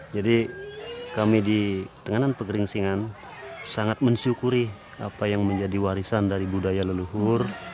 jadi kami di tenganan pekeringsingan sangat mensyukuri apa yang menjadi warisan dari budaya leluhur